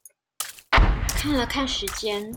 看了看時間